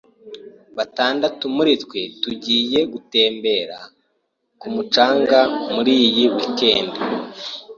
Batandatu muri twe tugiye gutembera ku mucanga muri iyi weekend.